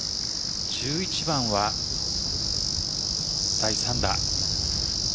１１番は第３打。